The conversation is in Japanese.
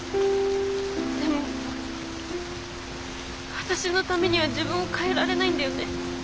でも私のためには自分を変えられないんだよね。